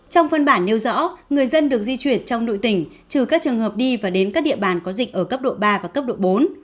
trong phân bản nêu rõ người dân được di chuyển trong nội tỉnh trừ các trường hợp đi và đến các địa bàn có dịch ở cấp độ ba và cấp độ bốn